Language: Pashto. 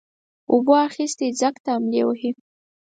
اوبو اخيستى ځگ ته املې وهي.